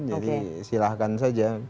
jadi silahkan saja